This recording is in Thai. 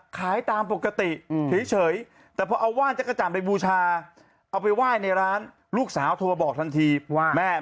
ขายตามปกติเฉยแต่พอเอาว่านจักรจันทร์ไปบูชาเอาไปไหว้ในร้านลูกสาวโทรมาบอกทันทีว่าแม่